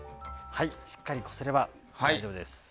しっかりこせれば大丈夫です。